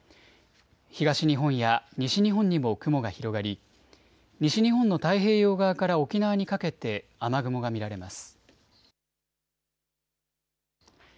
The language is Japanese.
東日本や西日本にも雲が広がり、西日本の太平洋側から沖縄にかけて雨雲が見られます。